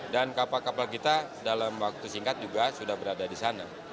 dan kapal kapal kita dalam waktu singkat juga sudah berada di sana